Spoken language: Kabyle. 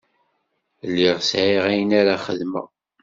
Lliɣ sɛiɣ ayen ara xedmeɣ.